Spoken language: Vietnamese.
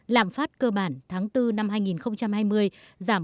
làm phát cơ bản tháng bốn năm hai nghìn hai mươi giảm năm